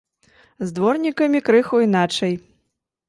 З дворнікамі крыху іначай.